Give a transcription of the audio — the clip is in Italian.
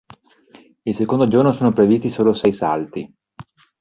Il secondo giorno sono previsti solo sei salti.